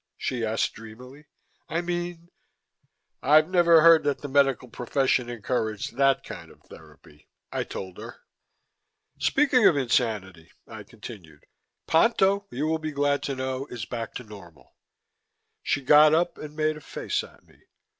she asked dreamily. "I mean " "I've never heard that the medical profession encouraged that kind of therapy," I told her. "Speaking of insanity," I continued, "Ponto, you will be glad to know, is back to normal." She got up and made a face at me.